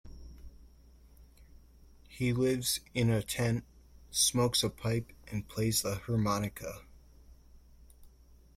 He lives in a tent, smokes a pipe and plays the harmonica.